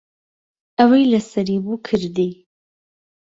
ئەوەی لەسەری بوو کردی.